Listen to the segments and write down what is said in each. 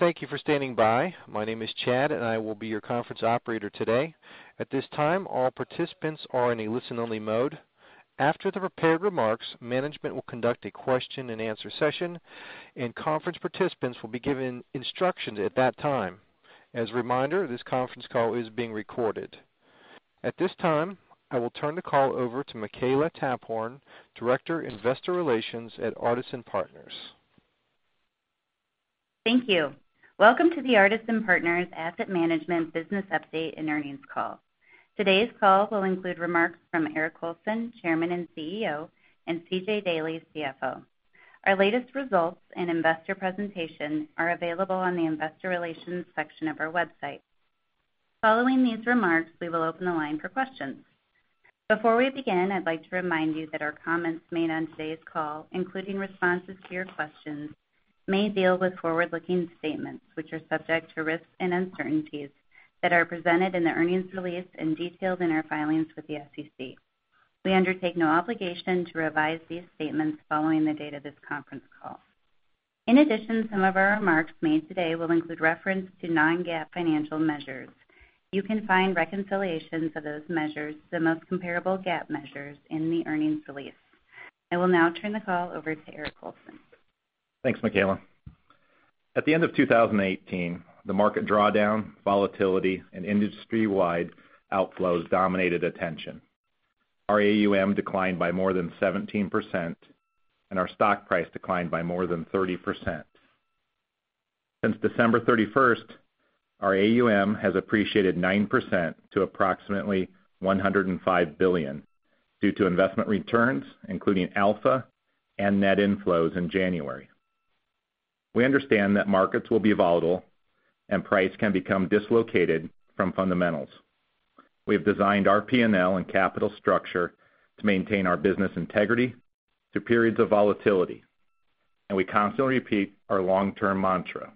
Hello. Thank you for standing by. My name is Chad. I will be your conference operator today. At this time, all participants are in a listen-only mode. After the prepared remarks, management will conduct a question and answer session. Conference participants will be given instructions at that time. As a reminder, this conference call is being recorded. At this time, I will turn the call over to Makela Taphorn, Director, Investor Relations at Artisan Partners. Thank you. Welcome to the Artisan Partners Asset Management Business Update and Earnings Call. Today's call will include remarks from Eric Colson, Chairman and CEO, and C.J. Daley, CFO. Our latest results and investor presentation are available on the investor relations section of our website. Following these remarks, we will open the line for questions. Before we begin, I'd like to remind you that our comments made on today's call, including responses to your questions, may deal with forward-looking statements which are subject to risks and uncertainties that are presented in the earnings release and detailed in our filings with the SEC. We undertake no obligation to revise these statements following the date of this conference call. Some of our remarks made today will include reference to non-GAAP financial measures. You can find reconciliations of those measures to the most comparable GAAP measures in the earnings release. I will now turn the call over to Eric Colson. Thanks, Makela. At the end of 2018, the market drawdown, volatility, and industry-wide outflows dominated attention. Our AUM declined by more than 17%. Our stock price declined by more than 30%. Since December 31st, our AUM has appreciated 9% to approximately $105 billion due to investment returns, including alpha and net inflows in January. We understand that markets will be volatile. Price can become dislocated from fundamentals. We have designed our P&L and capital structure to maintain our business integrity through periods of volatility. We constantly repeat our long-term mantra.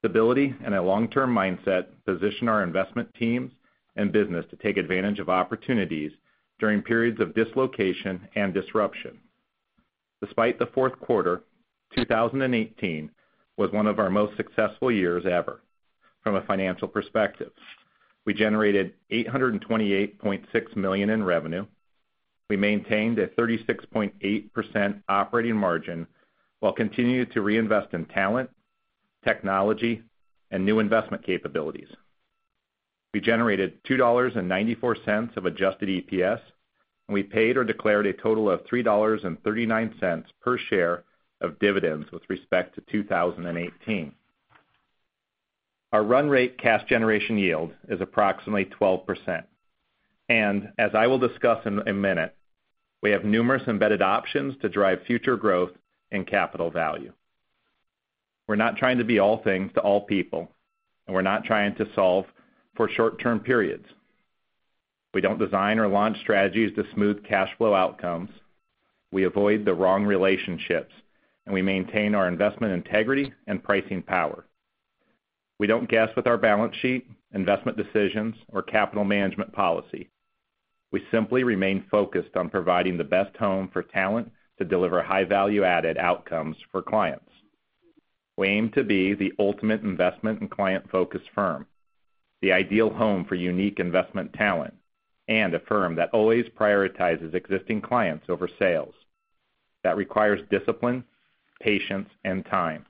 Stability and a long-term mindset position our investment teams and business to take advantage of opportunities during periods of dislocation and disruption. Despite the fourth quarter, 2018 was one of our most successful years ever from a financial perspective. We generated $828.6 million in revenue. We maintained a 36.8% operating margin while continuing to reinvest in talent, technology, and new investment capabilities. We generated $2.94 of adjusted EPS, and we paid or declared a total of $3.39 per share of dividends with respect to 2018. Our run rate cash generation yield is approximately 12%. As I will discuss in a minute, we have numerous embedded options to drive future growth and capital value. We're not trying to be all things to all people, and we're not trying to solve for short-term periods. We don't design or launch strategies to smooth cash flow outcomes. We avoid the wrong relationships, and we maintain our investment integrity and pricing power. We don't guess with our balance sheet, investment decisions, or capital management policy. We simply remain focused on providing the best home for talent to deliver high value-added outcomes for clients. We aim to be the ultimate investment and client-focused firm, the ideal home for unique investment talent, a firm that always prioritizes existing clients over sales. That requires discipline, patience, and time.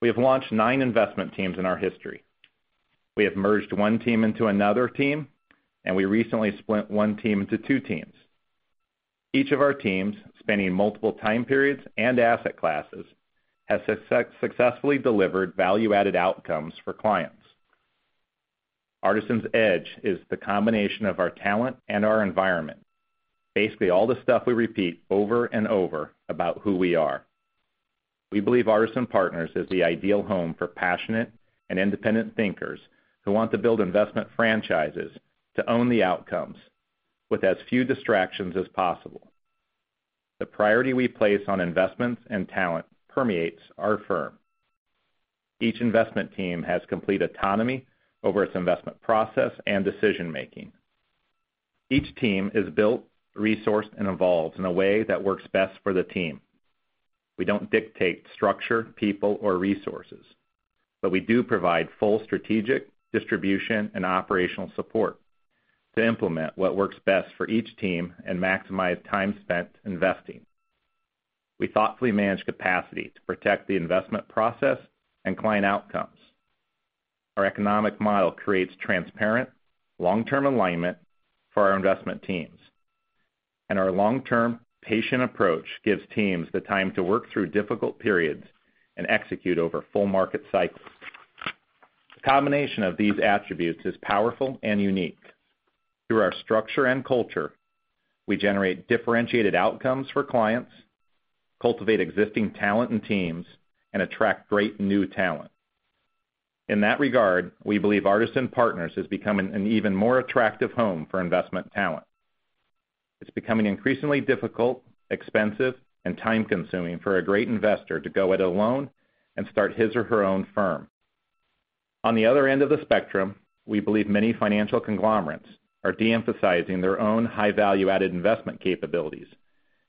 We have launched nine investment teams in our history. We have merged one team into another team, and we recently split one team into two teams. Each of our teams, spanning multiple time periods and asset classes, has successfully delivered value-added outcomes for clients. Artisan's edge is the combination of our talent and our environment. Basically, all the stuff we repeat over and over about who we are. We believe Artisan Partners is the ideal home for passionate and independent thinkers who want to build investment franchises to own the outcomes with as few distractions as possible. The priority we place on investments and talent permeates our firm. Each investment team has complete autonomy over its investment process and decision-making. Each team is built, resourced, and evolves in a way that works best for the team. We don't dictate structure, people, or resources, we do provide full strategic, distribution, and operational support to implement what works best for each team and maximize time spent investing. We thoughtfully manage capacity to protect the investment process and client outcomes. Our economic model creates transparent, long-term alignment for our investment teams. Our long-term, patient approach gives teams the time to work through difficult periods and execute over full market cycles. The combination of these attributes is powerful and unique. Through our structure and culture, we generate differentiated outcomes for clients, cultivate existing talent and teams, and attract great new talent. In that regard, we believe Artisan Partners is becoming an even more attractive home for investment talent. It's becoming increasingly difficult, expensive, and time-consuming for a great investor to go it alone and start his or her own firm. On the other end of the spectrum, we believe many financial conglomerates are de-emphasizing their own high value-added investment capabilities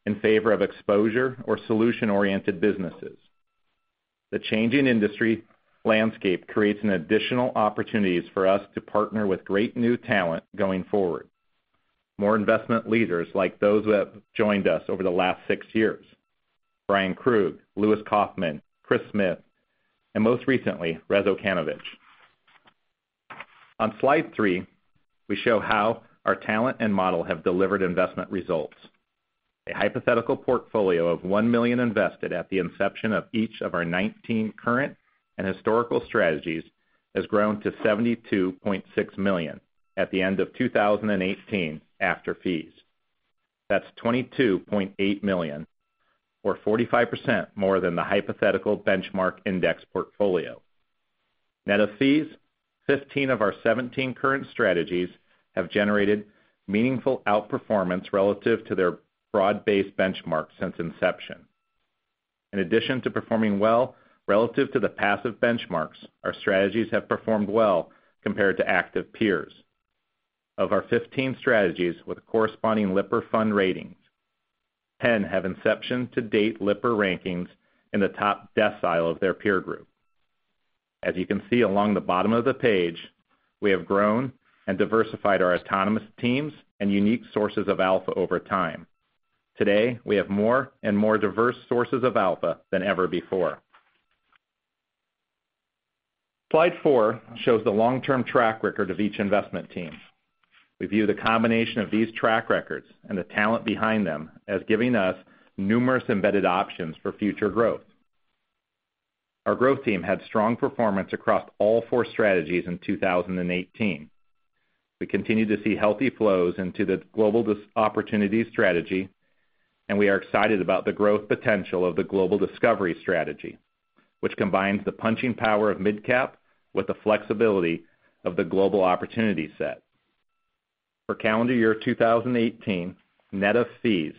in favor of exposure or solution-oriented businesses. The changing industry landscape creates an additional opportunities for us to partner with great new talent going forward. More investment leaders like those that have joined us over the last six years, Bryan Krug, Lewis Kaufman, Chris Smith, most recently, Rezo Kanovich. On slide three, we show how our talent and model have delivered investment results. A hypothetical portfolio of $1 million invested at the inception of each of our 19 current and historical strategies has grown to $72.6 million at the end of 2018, after fees. That's $22.8 million, or 45% more than the hypothetical benchmark index portfolio. Net of fees, 15 of our 17 current strategies have generated meaningful outperformance relative to their broad-based benchmark since inception. In addition to performing well relative to the passive benchmarks, our strategies have performed well compared to active peers. Of our 15 strategies with corresponding Lipper fund ratings, 10 have inception to date Lipper rankings in the top decile of their peer group. As you can see along the bottom of the page, we have grown and diversified our autonomous teams and unique sources of alpha over time. Today, we have more and more diverse sources of alpha than ever before. Slide four shows the long-term track record of each investment team. We view the combination of these track records and the talent behind them as giving us numerous embedded options for future growth. Our growth team had strong performance across all four strategies in 2018. We continue to see healthy flows into the global opportunities strategy, we are excited about the growth potential of the global discovery strategy, which combines the punching power of midcap with the flexibility of the global opportunity set. For calendar year 2018, net of fees,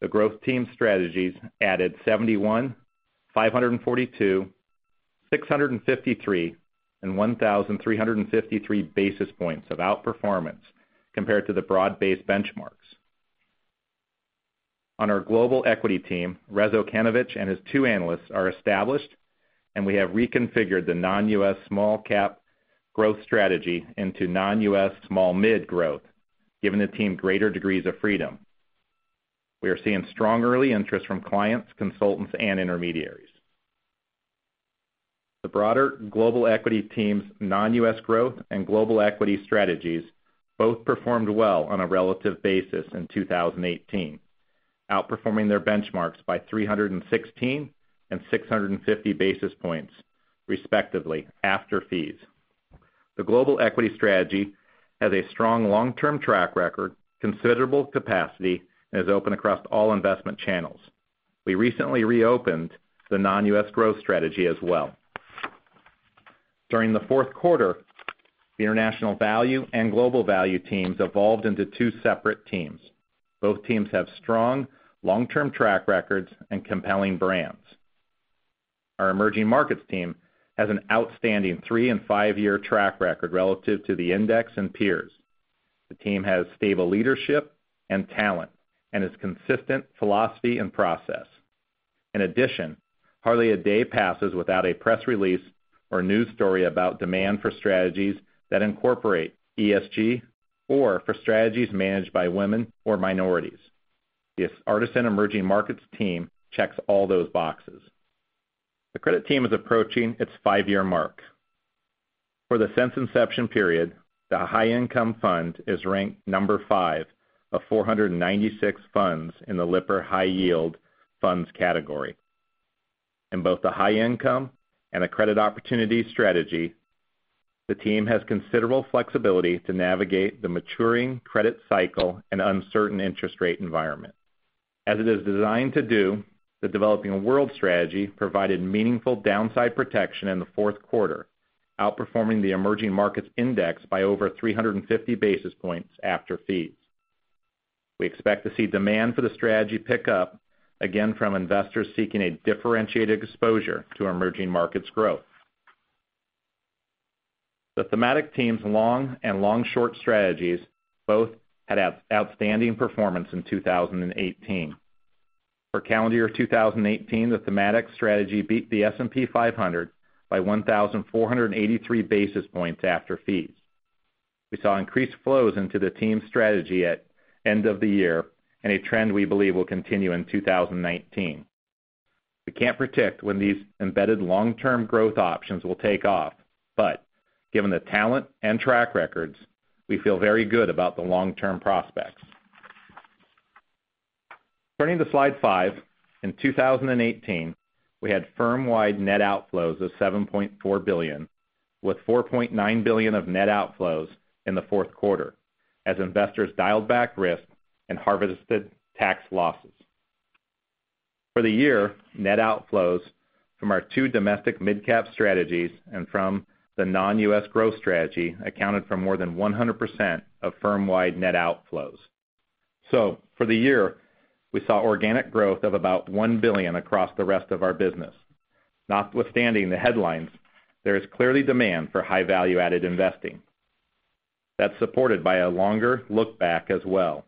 the growth team strategies added 71, 542, 653 and 1,353 basis points of outperformance compared to the broad-based benchmarks. On our global equity team, Rezo Kanovich and his two analysts are established, we have reconfigured the non-U.S. small cap growth strategy into non-U.S. Small mid-growth, giving the team greater degrees of freedom. We are seeing strong early interest from clients, consultants, and intermediaries. The broader global equity team's non-U.S. growth and global equity strategies both performed well on a relative basis in 2018, outperforming their benchmarks by 316 and 650 basis points, respectively, after fees. The global equity strategy has a strong long-term track record, considerable capacity, is open across all investment channels. We recently reopened the non-U.S. growth strategy as well. During the fourth quarter, the international value and global value teams evolved into two separate teams. Both teams have strong long-term track records and compelling brands. Our emerging markets team has an outstanding three and five-year track record relative to the index and peers. The team has stable leadership and talent, has consistent philosophy and process. Hardly a day passes without a press release or news story about demand for strategies that incorporate ESG or for strategies managed by women or minorities. The Artisan Emerging Markets team checks all those boxes. The credit team is approaching its five-year mark. For the since inception period, the high income fund is ranked number five of 496 funds in the Lipper High Yield Funds category. In both the high income and the credit opportunity strategy, the team has considerable flexibility to navigate the maturing credit cycle and uncertain interest rate environment. As it is designed to do, the Developing World strategy provided meaningful downside protection in the fourth quarter, outperforming the emerging markets index by over 350 basis points after fees. We expect to see demand for the strategy pick up again from investors seeking a differentiated exposure to emerging markets growth. The thematic team's long and long-short strategies both had outstanding performance in 2018. For calendar year 2018, the thematic strategy beat the S&P 500 by 1,483 basis points after fees. We saw increased flows into the team's strategy at end of the year. A trend we believe will continue in 2019. We can't predict when these embedded long-term growth options will take off, but given the talent and track records, we feel very good about the long-term prospects. Turning to slide five, in 2018, we had firm-wide net outflows of $7.4 billion, with $4.9 billion of net outflows in the fourth quarter, as investors dialed back risk and harvested tax losses. For the year, net outflows from our two domestic mid-cap strategies and from the non-U.S. growth strategy accounted for more than 100% of firm-wide net outflows. For the year, we saw organic growth of about $1 billion across the rest of our business. Notwithstanding the headlines, there is clearly demand for high value-added investing. That's supported by a longer look back as well.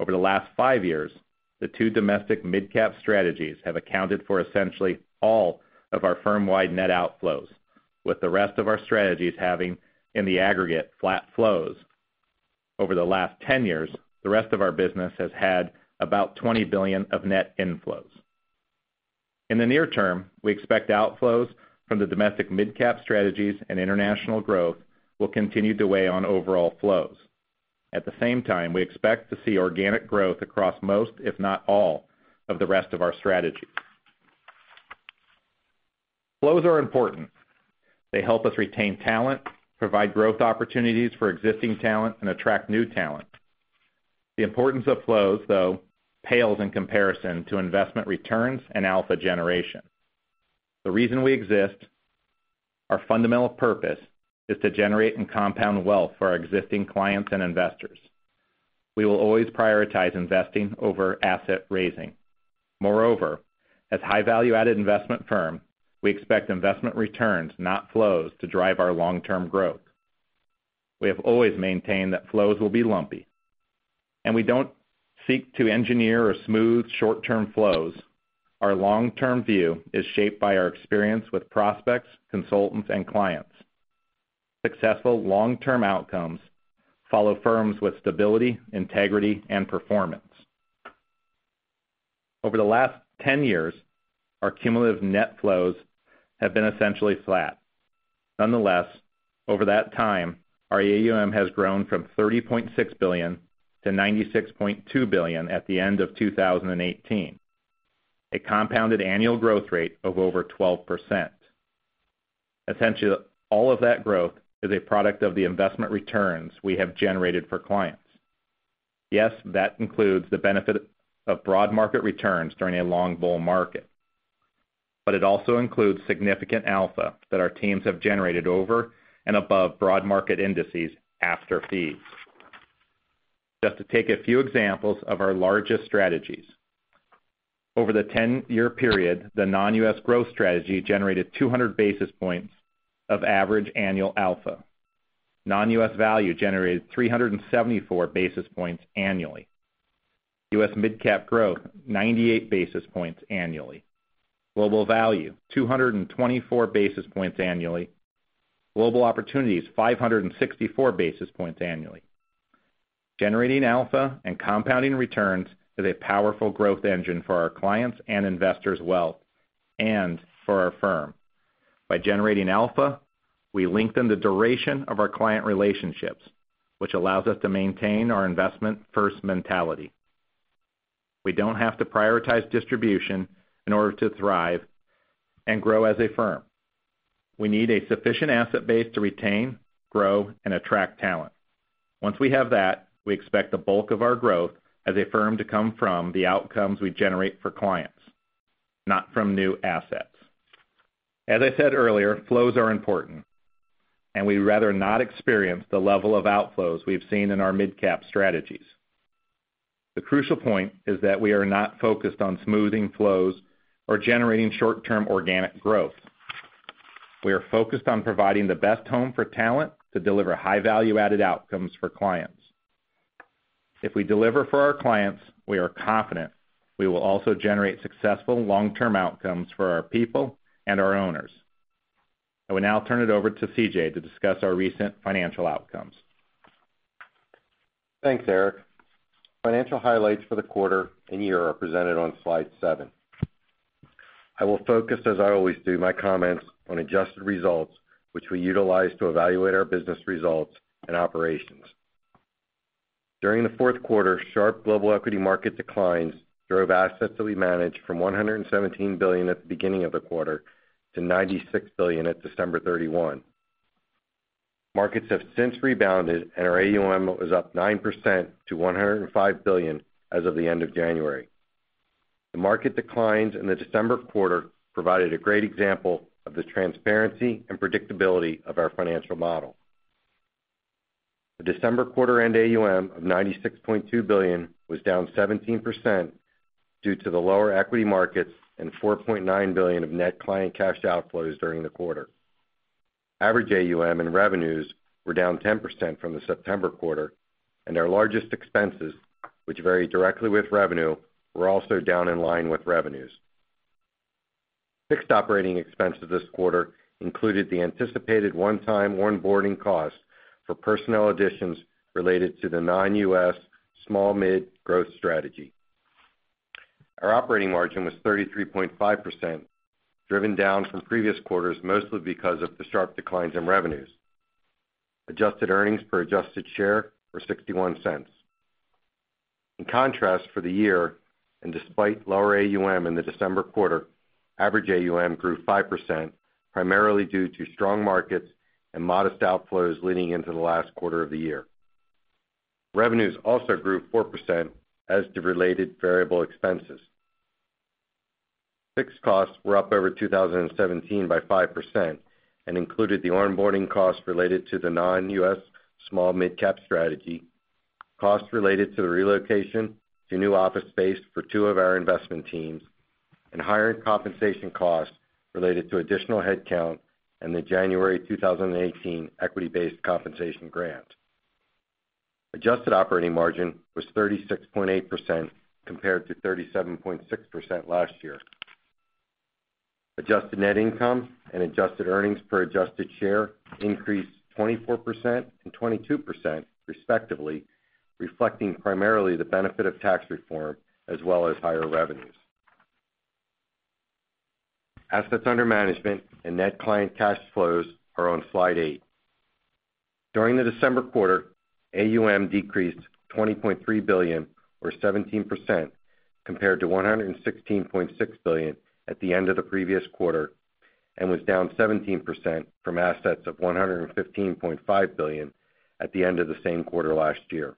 Over the last five years, the two domestic mid-cap strategies have accounted for essentially all of our firm-wide net outflows, with the rest of our strategies having, in the aggregate, flat flows. Over the last 10 years, the rest of our business has had about $20 billion of net inflows. In the near term, we expect outflows from the domestic mid-cap strategies and international growth will continue to weigh on overall flows. At the same time, we expect to see organic growth across most, if not all, of the rest of our strategies. Flows are important. They help us retain talent, provide growth opportunities for existing talent, and attract new talent. The importance of flows, though, pales in comparison to investment returns and alpha generation. The reason we exist, our fundamental purpose, is to generate and compound wealth for our existing clients and investors. We will always prioritize investing over asset raising. Moreover, as a high value-added investment firm, we expect investment returns, not flows, to drive our long-term growth. We have always maintained that flows will be lumpy. We don't seek to engineer or smooth short-term flows. Our long-term view is shaped by our experience with prospects, consultants, and clients. Successful long-term outcomes follow firms with stability, integrity, and performance. Over the last 10 years, our cumulative net flows have been essentially flat. Nonetheless, over that time, our AUM has grown from $30.6 billion to $96.2 billion at the end of 2018, a compounded annual growth rate of over 12%. Essentially, all of that growth is a product of the investment returns we have generated for clients. That includes the benefit of broad market returns during a long bull market. It also includes significant alpha that our teams have generated over and above broad market indices after fees. Just to take a few examples of our largest strategies. Over the 10-year period, the non-U.S. growth strategy generated 200 basis points of average annual alpha. Non-U.S. value generated 374 basis points annually. U.S. mid-cap growth, 98 basis points annually. Global value, 224 basis points annually. Global opportunities, 564 basis points annually. Generating alpha and compounding returns is a powerful growth engine for our clients' and investors' wealth and for our firm. By generating alpha, we lengthen the duration of our client relationships, which allows us to maintain our investment first mentality. We don't have to prioritize distribution in order to thrive and grow as a firm. We need a sufficient asset base to retain, grow, and attract talent. Once we have that, we expect the bulk of our growth as a firm to come from the outcomes we generate for clients, not from new assets. I said earlier, flows are important, and we'd rather not experience the level of outflows we've seen in our mid-cap strategies. The crucial point is that we are not focused on smoothing flows or generating short-term organic growth. We are focused on providing the best home for talent to deliver high value-added outcomes for clients. If we deliver for our clients, we are confident we will also generate successful long-term outcomes for our people and our owners. I will now turn it over to C.J. to discuss our recent financial outcomes. Thanks, Eric. Financial highlights for the quarter and year are presented on slide seven. I will focus, as I always do, my comments on adjusted results, which we utilize to evaluate our business results and operations. During the fourth quarter, sharp global equity market declines drove assets that we managed from $117 billion at the beginning of the quarter to $96 billion at December 31. Markets have since rebounded, our AUM was up 9% to $105 billion as of the end of January. The market declines in the December quarter provided a great example of the transparency and predictability of our financial model. The December quarter end AUM of $96.2 billion was down 17% due to the lower equity markets and $4.9 billion of net client cash outflows during the quarter. Average AUM and revenues were down 10% from the September quarter, our largest expenses, which vary directly with revenue, were also down in line with revenues. Fixed operating expenses this quarter included the anticipated one-time onboarding costs for personnel additions related to the non-U.S. small mid-growth strategy. Our operating margin was 33.5%, driven down from previous quarters mostly because of the sharp declines in revenues. Adjusted earnings per adjusted share were $0.61. In contrast, for the year, despite lower AUM in the December quarter, average AUM grew 5%, primarily due to strong markets and modest outflows leading into the last quarter of the year. Revenues also grew 4% as did related variable expenses. Fixed costs were up over 2017 by 5% and included the onboarding costs related to the non-U.S. small mid-cap strategy, costs related to the relocation to new office space for two of our investment teams, and higher compensation costs related to additional headcount and the January 2018 equity-based compensation grant. Adjusted operating margin was 36.8% compared to 37.6% last year. Adjusted net income and adjusted earnings per adjusted share increased 24% and 22% respectively, reflecting primarily the benefit of tax reform as well as higher revenues. Assets under management and net client cash flows are on slide eight. During the December quarter, AUM decreased $20.3 billion or 17% compared to $116.6 billion at the end of the previous quarter, was down 17% from assets of $115.5 billion at the end of the same quarter last year.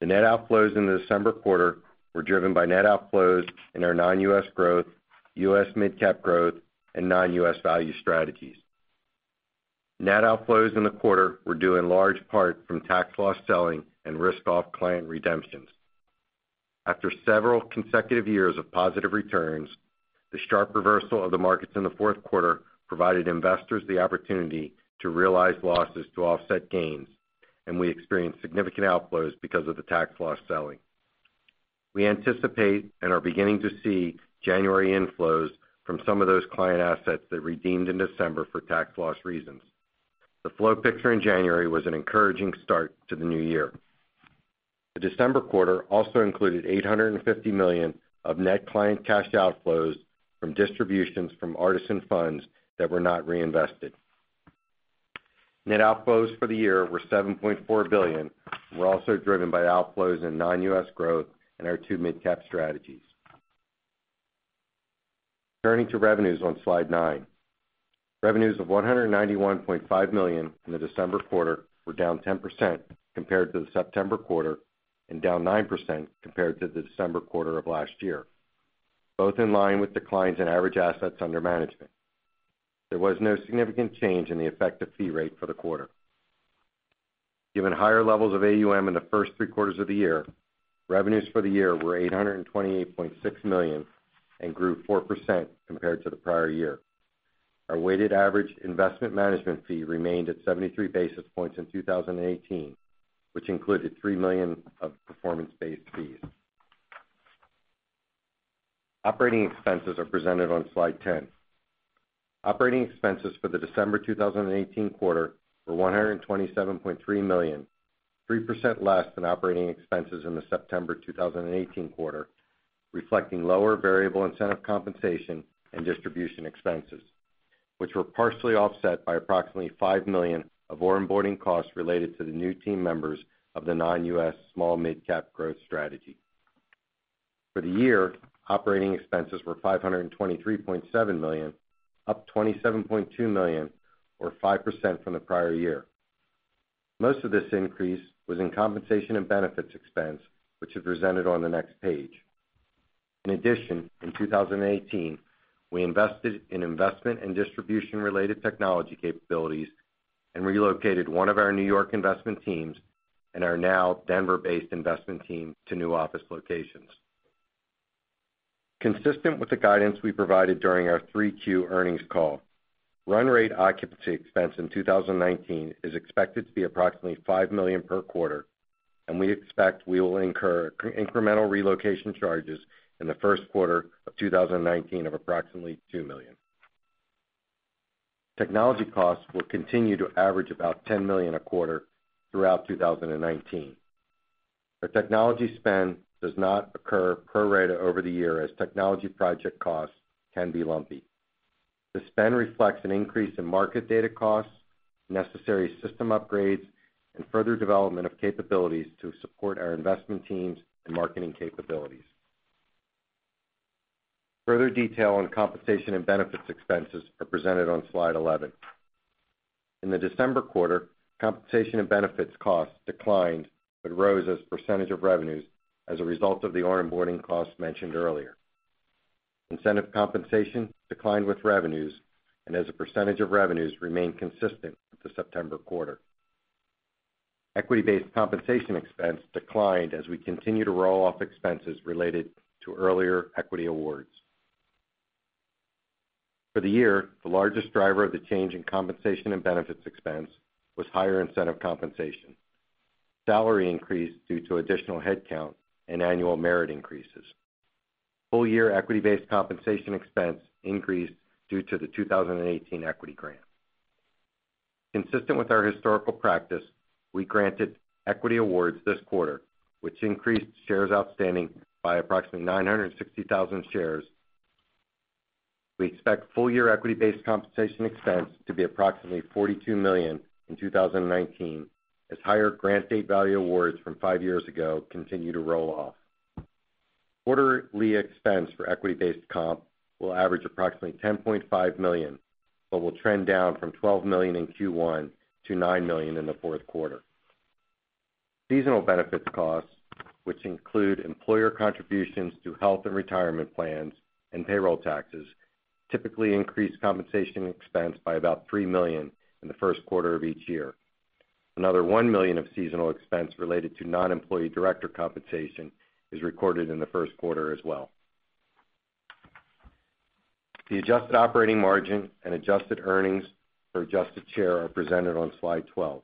The net outflows in the December quarter were driven by net outflows in our non-U.S. growth, U.S. mid-cap growth, and non-U.S. value strategies. Net outflows in the quarter were due in large part from tax loss selling and risk-off client redemptions. After several consecutive years of positive returns, the sharp reversal of the markets in the fourth quarter provided investors the opportunity to realize losses to offset gains, and we experienced significant outflows because of the tax loss selling. We anticipate and are beginning to see January inflows from some of those client assets that redeemed in December for tax loss reasons. The flow picture in January was an encouraging start to the new year. The December quarter also included $850 million of net client cash outflows from distributions from Artisan funds that were not reinvested. Net outflows for the year were $7.4 billion and were also driven by outflows in non-U.S. growth and our two mid-cap strategies. Turning to revenues on slide nine. Revenues of $191.5 million in the December quarter were down 10% compared to the September quarter and down 9% compared to the December quarter of last year, both in line with declines in average assets under management. There was no significant change in the effective fee rate for the quarter. Given higher levels of AUM in the first three quarters of the year, revenues for the year were $828.6 million and grew 4% compared to the prior year. Our weighted average investment management fee remained at 73 basis points in 2018, which included $3 million of performance-based fees. Operating expenses are presented on slide 10. Operating expenses for the December 2018 quarter were $127.3 million, 3% less than operating expenses in the September 2018 quarter, reflecting lower variable incentive compensation and distribution expenses, which were partially offset by approximately $5 million of onboarding costs related to the new team members of the non-U.S. small mid-cap growth strategy. For the year, operating expenses were $523.7 million, up $27.2 million or 5% from the prior year. Most of this increase was in compensation and benefits expense, which is presented on the next page. In addition, in 2018, we invested in investment and distribution-related technology capabilities and relocated one of our New York investment teams and our now Denver-based investment team to new office locations. Consistent with the guidance we provided during our 3Q earnings call, run rate occupancy expense in 2019 is expected to be approximately $5 million per quarter, and we expect we will incur incremental relocation charges in the first quarter of 2019 of approximately $2 million. Technology costs will continue to average about $10 million a quarter throughout 2019. The technology spend does not occur pro rata over the year as technology project costs can be lumpy. The spend reflects an increase in market data costs, necessary system upgrades, and further development of capabilities to support our investment teams and marketing capabilities. Further detail on compensation and benefits expenses are presented on slide 11. In the December quarter, compensation and benefits costs declined but rose as a percentage of revenues as a result of the onboarding costs mentioned earlier. Incentive compensation declined with revenues and as a percentage of revenues remained consistent with the September quarter. Equity-based compensation expense declined as we continue to roll off expenses related to earlier equity awards. For the year, the largest driver of the change in compensation and benefits expense was higher incentive compensation. Salary increased due to additional headcount and annual merit increases. Full-year equity-based compensation expense increased due to the 2018 equity grant. Consistent with our historical practice, we granted equity awards this quarter, which increased shares outstanding by approximately 960,000 shares. We expect full-year equity-based compensation expense to be approximately $42 million in 2019 as higher grant date value awards from five years ago continue to roll off. Quarterly expense for equity-based comp will average approximately $10.5 million, but will trend down from $12 million in Q1 to $9 million in the fourth quarter. Seasonal benefits costs, which include employer contributions to health and retirement plans and payroll taxes, typically increase compensation expense by about $3 million in the first quarter of each year. Another $1 million of seasonal expense related to non-employee director compensation is recorded in the first quarter as well. The adjusted operating margin and adjusted earnings per adjusted share are presented on slide 12.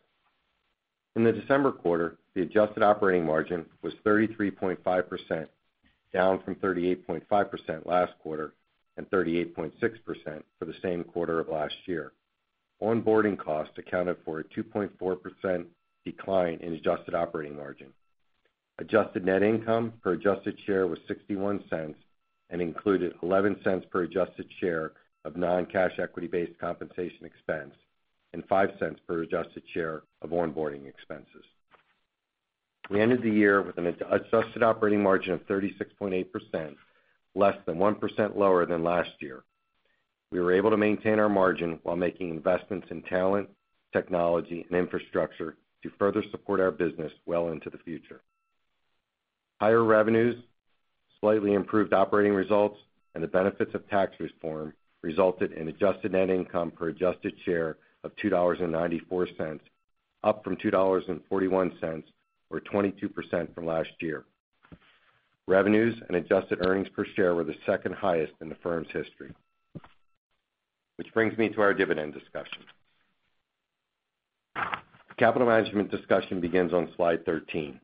In the December quarter, the adjusted operating margin was 33.5%, down from 38.5% last quarter and 38.6% for the same quarter of last year. Onboarding costs accounted for a 2.4% decline in adjusted operating margin. Adjusted net income per adjusted share was $0.61 and included $0.11 per adjusted share of non-cash equity-based compensation expense and $0.05 per adjusted share of onboarding expenses. We ended the year with an adjusted operating margin of 36.8%, less than 1% lower than last year. We were able to maintain our margin while making investments in talent, technology, and infrastructure to further support our business well into the future. Higher revenues, slightly improved operating results, and the benefits of tax reform resulted in adjusted net income per adjusted share of $2.94, up from $2.41 or 22% from last year. Revenues and adjusted earnings per share were the second highest in the firm's history. Which brings me to our dividend discussion. The capital management discussion begins on slide 13.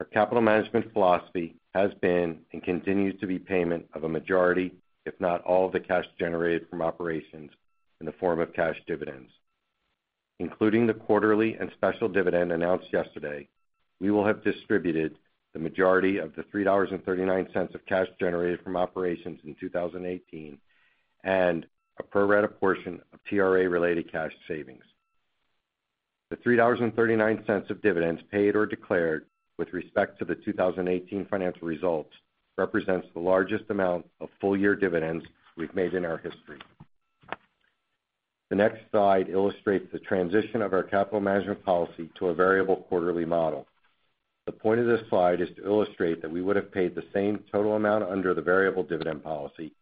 Our capital management philosophy has been and continues to be payment of a majority, if not all, of the cash generated from operations in the form of cash dividends. Including the quarterly and special dividend announced yesterday, we will have distributed the majority of the $3.39 of cash generated from operations in 2018, and a pro rata portion of TRA-related cash savings. The $3.39 of dividends paid or declared with respect to the 2018 financial results represents the largest amount of full-year dividends we've made in our history. The next slide illustrates the transition of our capital management policy to a variable quarterly model. The point of this slide is to illustrate that we would have paid the same total amount under the variable dividend policy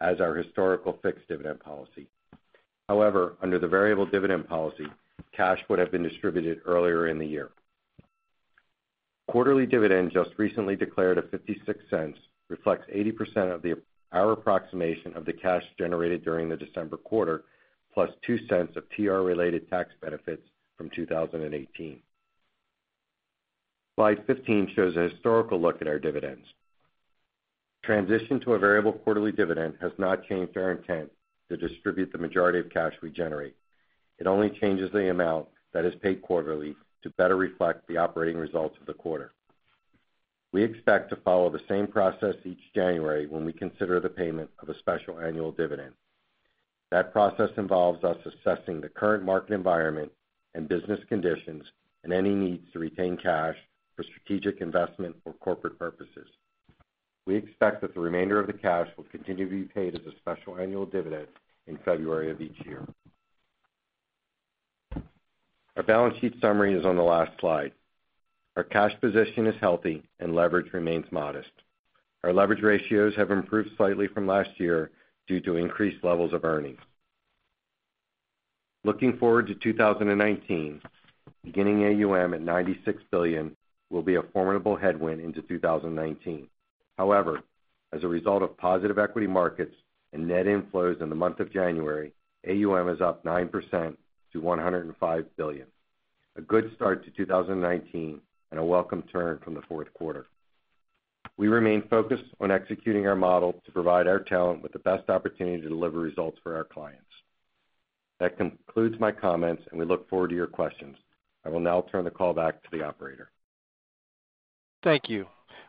as our historical fixed dividend policy. However, under the variable dividend policy, cash would have been distributed earlier in the year. Quarterly dividend just recently declared of $0.56 reflects 80% of our approximation of the cash generated during the December quarter, plus $0.02 of TRA-related tax benefits from 2018. Slide 15 shows a historical look at our dividends. Transition to a variable quarterly dividend has not changed our intent to distribute the majority of cash we generate. It only changes the amount that is paid quarterly to better reflect the operating results of the quarter. We expect to follow the same process each January when we consider the payment of a special annual dividend. That process involves us assessing the current market environment and business conditions, and any needs to retain cash for strategic investment or corporate purposes. We expect that the remainder of the cash will continue to be paid as a special annual dividend in February of each year. Our balance sheet summary is on the last slide. Our cash position is healthy and leverage remains modest. Our leverage ratios have improved slightly from last year due to increased levels of earnings. Looking forward to 2019, beginning AUM at $96 billion will be a formidable headwind into 2019. As a result of positive equity markets and net inflows in the month of January, AUM is up 9% to $105 billion. A good start to 2019 and a welcome turn from the fourth quarter. We remain focused on executing our model to provide our talent with the best opportunity to deliver results for our clients. That concludes my comments. We look forward to your questions. I will now turn the call back to the operator. Thank you.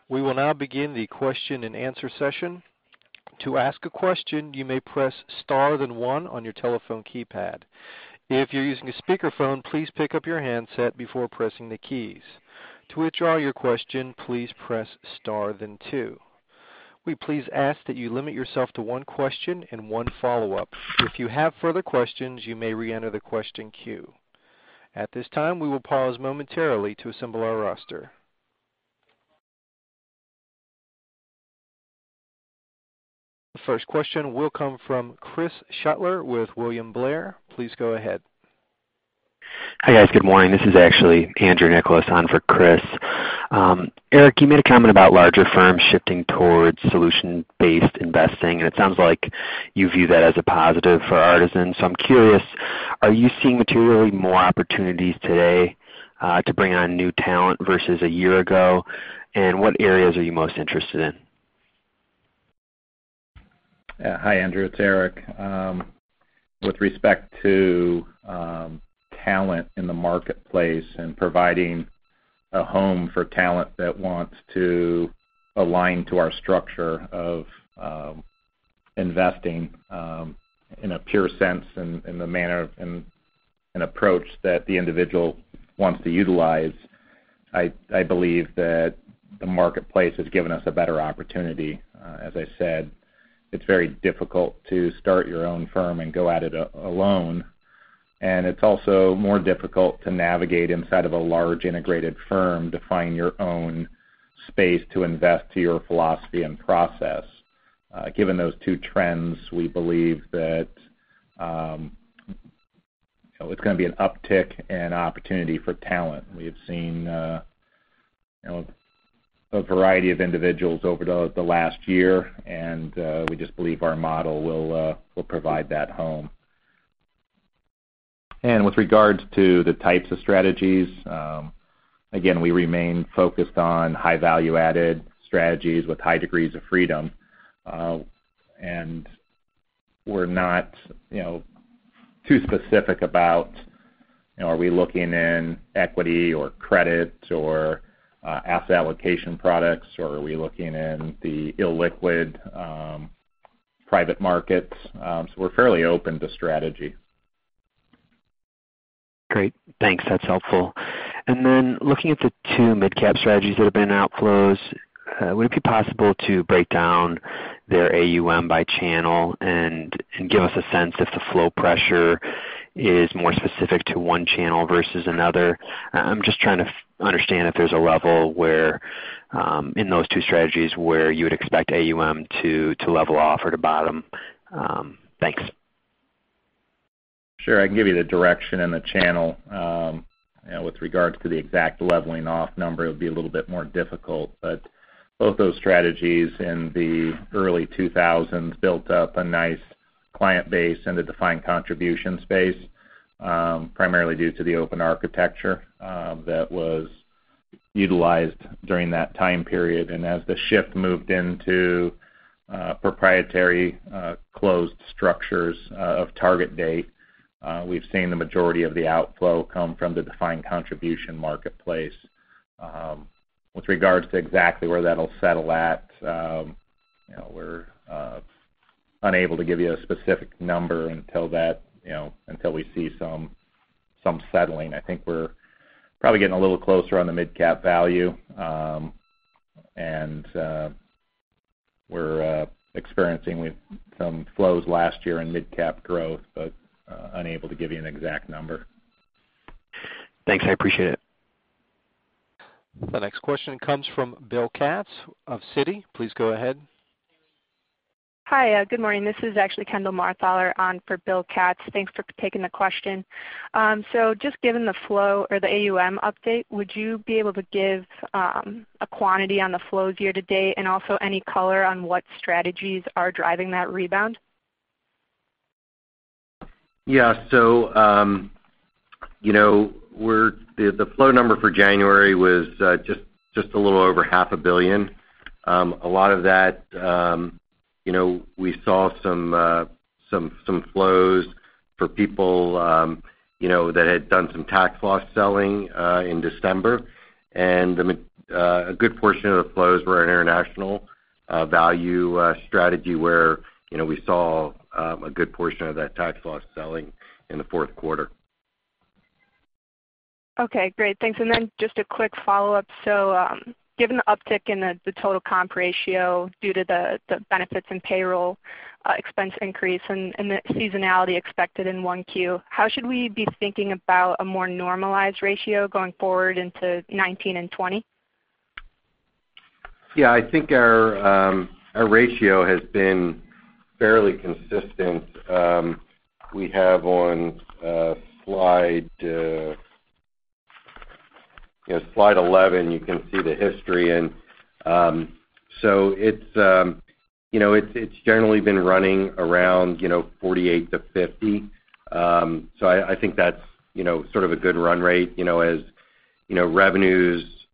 We will now begin the question and answer session. To ask a question, you may press star, then one on your telephone keypad. If you're using a speakerphone, please pick up your handset before pressing the keys. To withdraw your question, please press star, then two. We please ask that you limit yourself to one question and one follow-up. If you have further questions, you may reenter the question queue. At this time, we will pause momentarily to assemble our roster. The first question will come from Chris Shutler with William Blair. Please go ahead. Hi, guys. Good morning. This is actually Andrew Nicholas on for Chris. Eric, you made a comment about larger firms shifting towards solution-based investing, and it sounds like you view that as a positive for Artisan. I'm curious, are you seeing materially more opportunities today to bring on new talent versus a year ago? What areas are you most interested in? Yeah. Hi, Andrew. It's Eric. With respect to talent in the marketplace and providing a home for talent that wants to align to our structure of investing in a pure sense and in the manner and approach that the individual wants to utilize, I believe that the marketplace has given us a better opportunity. As I said It's very difficult to start your own firm and go at it alone. It's also more difficult to navigate inside of a large integrated firm to find your own space to invest to your philosophy and process. Given those two trends, we believe that it's going to be an uptick and opportunity for talent. We have seen a variety of individuals over the last year, we just believe our model will provide that home. With regards to the types of strategies, again, we remain focused on high value-added strategies with high degrees of freedom. We're not too specific about, are we looking in equity or credit or asset allocation products, or are we looking in the illiquid private markets? We're fairly open to strategy. Great. Thanks. That's helpful. Looking at the two mid-cap strategies that have been outflows, would it be possible to break down their AUM by channel and give us a sense if the flow pressure is more specific to one channel versus another? I'm just trying to understand if there's a level where, in those two strategies, where you would expect AUM to level off or to bottom. Thanks. Sure. I can give you the direction and the channel. With regards to the exact leveling off number, it would be a little bit more difficult, but both those strategies in the early 2000s built up a nice client base in the defined contribution space, primarily due to the open architecture that was utilized during that time period. As the shift moved into proprietary closed structures of target date, we've seen the majority of the outflow come from the defined contribution marketplace. With regards to exactly where that'll settle at, we're unable to give you a specific number until we see some settling. I think we're probably getting a little closer on the mid-cap value. We're experiencing with some flows last year in mid-cap growth, but unable to give you an exact number. Thanks. I appreciate it. The next question comes from Bill Katz of Citi. Please go ahead. Hi. Good morning. This is actually Kendall Marthaler on for Bill Katz. Thanks for taking the question. Just given the flow or the AUM update, would you be able to give a quantity on the flows year to date, and also any color on what strategies are driving that rebound? Yeah. The flow number for January was just a little over half a billion. A lot of that, we saw some flows for people that had done some tax loss selling in December. A good portion of the flows were in international value strategy, where we saw a good portion of that tax loss selling in the fourth quarter. Okay, great. Thanks. Just a quick follow-up. Given the uptick in the total comp ratio due to the benefits and payroll expense increase and the seasonality expected in 1Q, how should we be thinking about a more normalized ratio going forward into 2019 and 2020? I think our ratio has been fairly consistent. We have on slide 11, you can see the history. It's generally been running around 48%-50%. I think that's sort of a good run rate. As revenues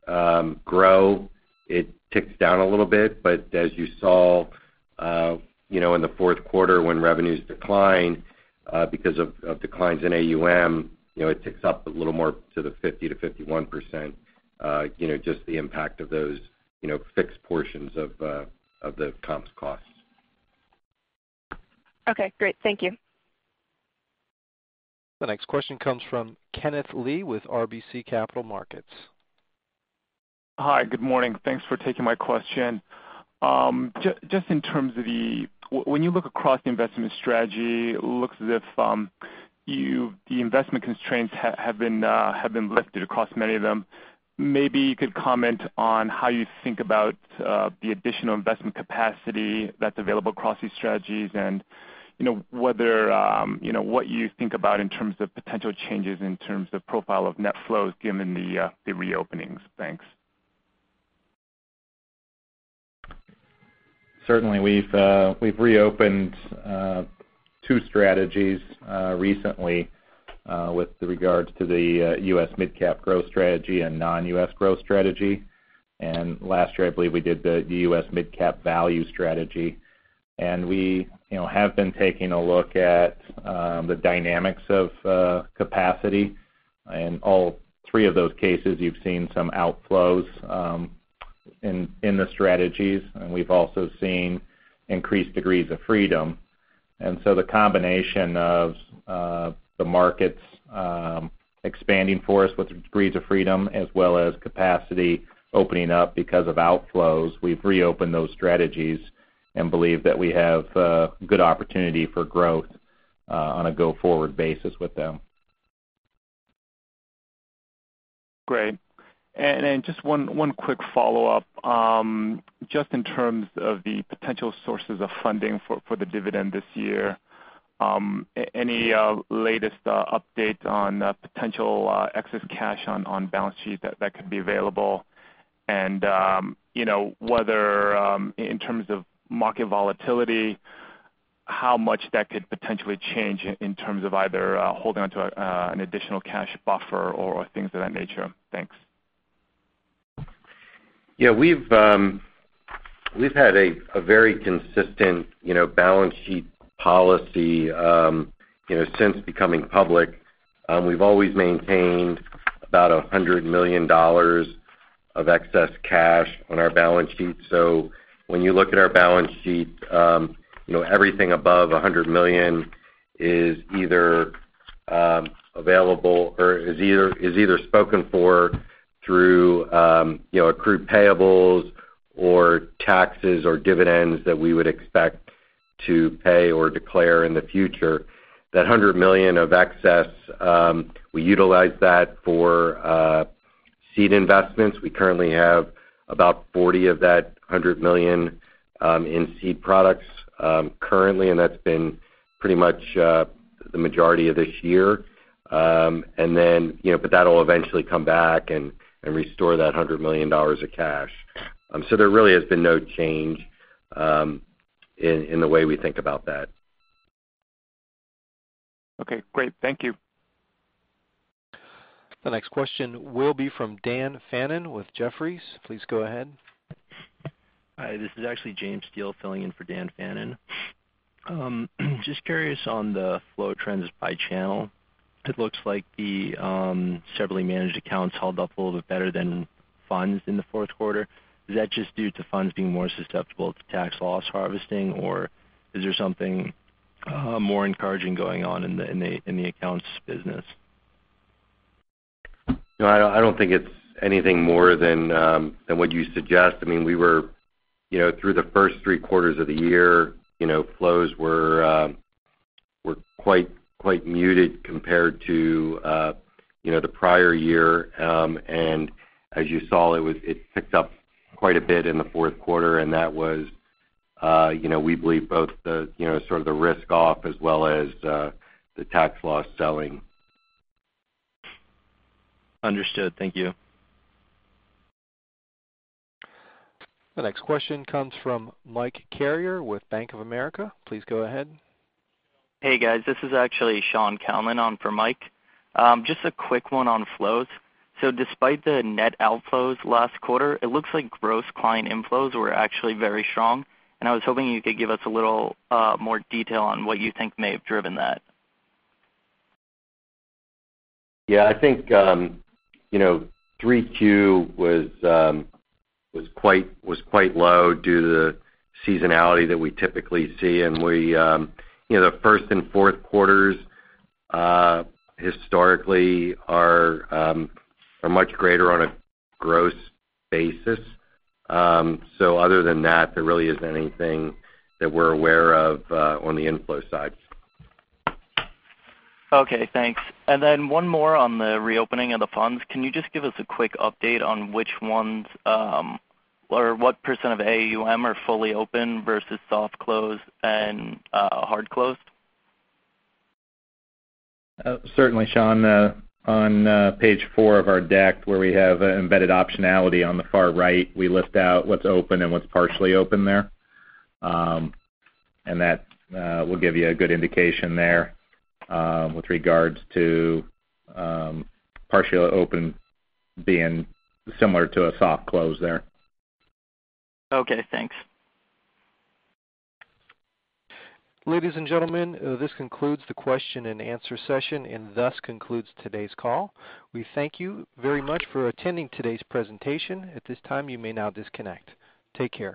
grow, it ticks down a little bit. As you saw in the fourth quarter when revenues decline because of declines in AUM, it ticks up a little more to the 50%-51%, just the impact of those fixed portions of the comp costs. Okay, great. Thank you. The next question comes from Kenneth Lee with RBC Capital Markets. Hi. Good morning. Thanks for taking my question. In terms of when you look across the investment strategy, it looks as if the investment constraints have been lifted across many of them. Maybe you could comment on how you think about the additional investment capacity that's available across these strategies, and what you think about in terms of potential changes in terms of profile of net flows given the reopenings. Thanks. Certainly, we've reopened two strategies recently with regards to the U.S. mid-cap growth strategy and non-U.S. growth strategy. Last year, I believe we did the U.S. mid-cap value strategy. We have been taking a look at the dynamics of capacity. In all three of those cases, you've seen some outflows in the strategies, and we've also seen increased degrees of freedom The combination of the markets expanding for us with degrees of freedom, as well as capacity opening up because of outflows, we've reopened those strategies and believe that we have a good opportunity for growth on a go-forward basis with them. Great. Just one quick follow-up. In terms of the potential sources of funding for the dividend this year, any latest update on potential excess cash on balance sheet that could be available? And whether in terms of market volatility, how much that could potentially change in terms of either holding onto an additional cash buffer or things of that nature? Thanks. Yeah. We've had a very consistent balance sheet policy. Since becoming public, we've always maintained about $100 million of excess cash on our balance sheet. When you look at our balance sheet, everything above $100 million is either available or is either spoken for through accrued payables or taxes or dividends that we would expect to pay or declare in the future. That $100 million of excess, we utilize that for seed investments. We currently have about $40 million of that $100 million in seed products currently, and that's been pretty much the majority of this year. That'll eventually come back and restore that $100 million of cash. There really has been no change in the way we think about that. Okay, great. Thank you. The next question will be from Dan Fannon with Jefferies. Please go ahead. Hi, this is actually James Steele filling in for Dan Fannon. Just curious on the flow trends by channel. It looks like the separately managed accounts held up a little bit better than funds in the fourth quarter. Is that just due to funds being more susceptible to tax loss harvesting, or is there something more encouraging going on in the accounts business? No, I don't think it's anything more than what you suggest. Through the first three quarters of the year, flows were quite muted compared to the prior year. As you saw, it picked up quite a bit in the fourth quarter, and that was we believe both the sort of the risk off as well as the tax loss selling. Understood. Thank you. The next question comes from Mike Carrier with Bank of America. Please go ahead. Hey, guys. This is actually Sean Kalman on for Mike. Just a quick one on flows. Despite the net outflows last quarter, it looks like gross client inflows were actually very strong, and I was hoping you could give us a little more detail on what you think may have driven that. Yeah, I think 3Q was quite low due to the seasonality that we typically see, and the first and fourth quarters historically are much greater on a gross basis. Other than that, there really isn't anything that we're aware of on the inflow side. Okay, thanks. One more on the reopening of the funds. Can you just give us a quick update on which ones or what percent of AUM are fully open versus soft close and hard closed? Certainly, Sean. On page four of our deck where we have embedded optionality on the far right, we list out what's open and what's partially open there. That will give you a good indication there with regards to partially open being similar to a soft close there. Okay, thanks. Ladies and gentlemen, this concludes the question and answer session and thus concludes today's call. We thank you very much for attending today's presentation. At this time, you may now disconnect. Take care.